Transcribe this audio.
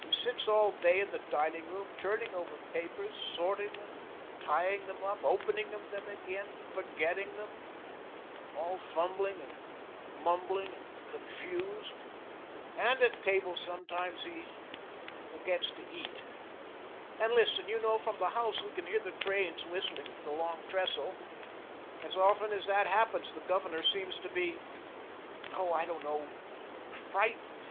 He sits all day in the dining room, turning over papers, sorting them, tying them up, opening them again, forgetting them all fumbling and mumbling and confused. And at table sometimes he forgets to eat. And, listen, you know, from the house we can hear the trains whistling for the Long Trestle. As often as that happens the Governor seems to be oh, I don't know, frightened.